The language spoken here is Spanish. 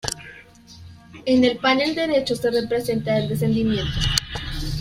En el panel derecho se representa el Descendimiento.